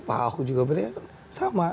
pak ahok juga berbeda sama